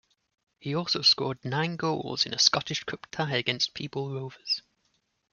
He also scored nine goals in a Scottish Cup tie against Peebles Rovers.